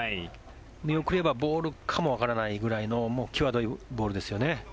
見送ればボールかもわからないくらいの際どいボールですよね。